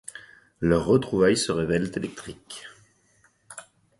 Leurs retrouvailles se révèlent électriques...